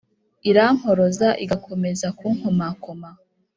irankoroza igakomeza kunkomakoma